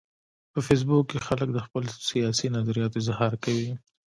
په فېسبوک کې خلک د خپلو سیاسي نظریاتو اظهار کوي